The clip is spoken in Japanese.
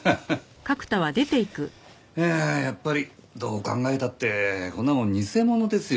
やっぱりどう考えたってこんなもん偽者ですよ。